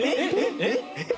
えっ？